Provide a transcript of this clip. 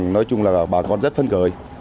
nói chung là bà con rất phân cười